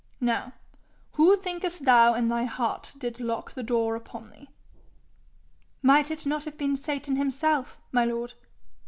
'Now, who thinkest thou in thy heart did lock the door upon thee?' 'Might it not have been Satan himself, my lord?'